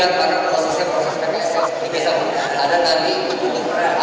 ada biaya yang dikelola oleh pokmas untuk masyarakat sebesar rp satu ratus lima puluh atau kesepakatan dari pemirsa